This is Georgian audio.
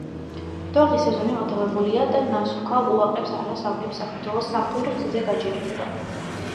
დოღის სეზონი მოთავებულია და ნასუქალ ულაყებს არას ავნებს საქართველოს სამხედრო გზაზე გაჯირითება.